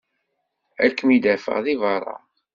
Ad kem-id-afeɣ deg berra.